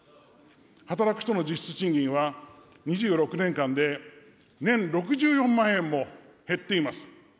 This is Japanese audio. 働く人の実質賃金は２６年間で年６４万円も減っています。